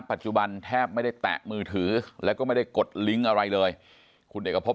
ปัจจุบันแทบไม่ได้แตะมือถือแล้วก็ไม่ได้กดลิงก์อะไรเลยคุณเอกพบ